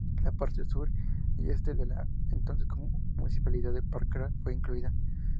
La parte sur y este de la entonces municipalidad de Pakrac fue incluida.